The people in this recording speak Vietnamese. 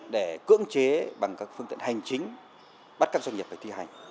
để cưỡng chế bằng các phương tiện hành chính bắt các doanh nghiệp phải thi hành